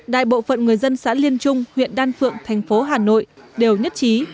đại bộ phận người dân xã liên trung huyện đan phượng thành phố hà nội đều nhất trí